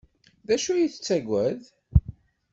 D acu ay tettaggad?